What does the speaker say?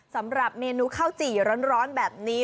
สำหรับเมนูข้าวจี่ร้อนแบบนี้